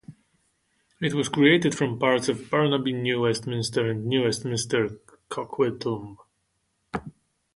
It was created from parts of Burnaby-New Westminster and New Westminster-Coquitlam.